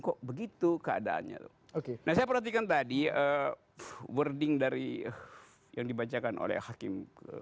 kok begitu keadaannya oke nah saya perhatikan tadi wording dari yang dibacakan oleh hakim